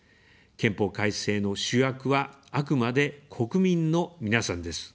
憲法改正の主役は、あくまで国民の皆さんです。